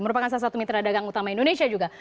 merupakan salah satu mitra dagang utama indonesia juga